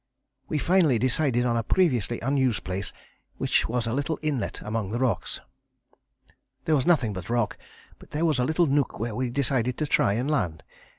We finally decided on a previously unused place, which was a little inlet among the rocks. "There was nothing but rock, but there was a little nook where we decided to try and land.